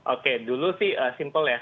oke dulu sih simpel ya